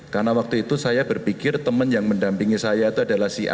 karena waktu itu saya berpikir teman yang mendampingi saya itu adalah si a dan si b